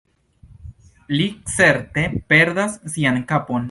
Li certe perdas sian kapon.